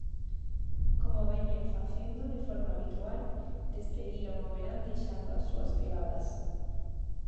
Como veñen facendo de forma habitual, despediron o verán deixando as súas pegadas.